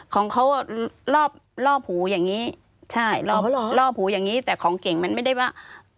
ของเขารอบล่อผูอย่างนี้ใช่รอบล่อผูอย่างนี้แต่ของเก่งมันไม่ได้ว่า